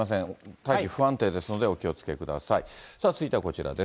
大気不安定ですのでお気をつけください。